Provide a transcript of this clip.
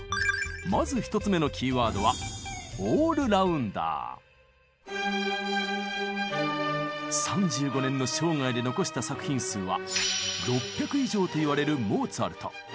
まず１つ目のキーワードは３５年の生涯で残した作品数は６００以上と言われるモーツァルト。